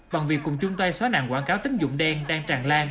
bằng việc cùng chung tay xóa nạn quảng cáo tính dụng đen đang tràn lan